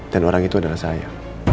dan orang itu adalah saya